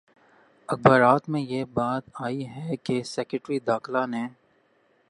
اخبارات میں یہ بات آئی ہے کہ سیکرٹری داخلہ نے